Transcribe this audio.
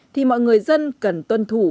thì mọi người dân cần tuân thủ